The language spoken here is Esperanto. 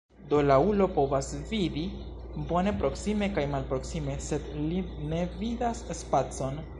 Do la ulo povas vidi bone proksime kaj malproksime, sed li ne vidas spacon.